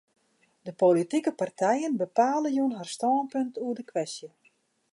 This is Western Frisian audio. De politike partijen bepale jûn har stânpunt oer de kwestje.